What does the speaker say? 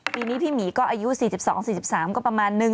ปีนี้พี่หมีก็อายุ๔๒๔๓ก็ประมาณนึง